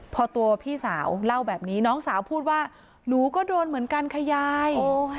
พอตัวพี่สาวเล่าแบบนี้น้องสาวพูดว่าหนูก็โดนเหมือนกันค่ะยาย